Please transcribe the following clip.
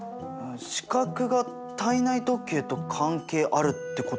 視覚が体内時計と関係あるってことだよね？